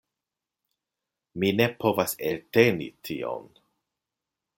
Mi ne povas elteni tion.